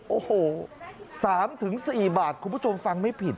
โอ้โห๓๔บาทคุณผู้ชมฟังไม่ผิด